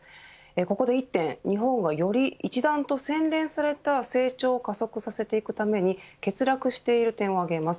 ここで１点、日本がより一段と洗練された成長を加速させていくために欠落している点を挙げます。